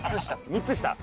３つ下？